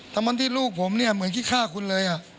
ทำวันที่ลูกผมเหมือนคิดฆ่าคุณเลย